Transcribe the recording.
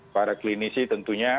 para klinisi tentunya